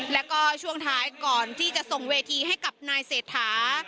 แล้วก็ช่วงท้ายก่อนที่จะส่งเวทีให้กับนายเศรษฐา